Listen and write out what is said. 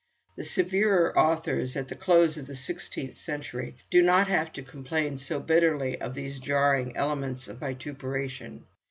The severer authors at the close of the sixteenth century do not have to complain so bitterly of these jarring elements of vituperation.